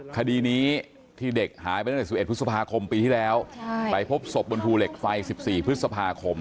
คดีนี้ที่เด็กหายไปตั้งแต่๑๑พฤษภาคมปีที่แล้วไปพบศพบนภูเหล็กไฟ๑๔พฤษภาคม